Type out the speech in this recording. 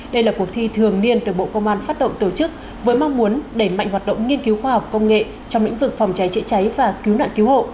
đây là cuộc thi thường niên được bộ công an phát động tổ chức với mong muốn đẩy mạnh hoạt động nghiên cứu khoa học công nghệ trong lĩnh vực phòng cháy chữa cháy và cứu nạn cứu hộ